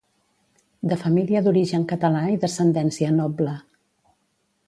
De família d'origen català i d'ascendència noble.